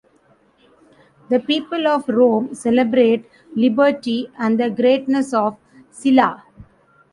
The people of Rome celebrate liberty and the greatness of Silla.